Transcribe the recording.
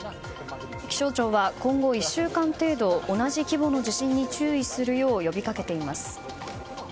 気象庁は今後１週間程度同じ規模の地震に注意するよう呼びかけています。